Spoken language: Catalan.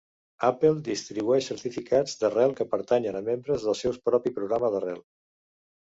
Apple distribueix certificats d'arrel que pertanyen a membres del seu propi programa d'arrel.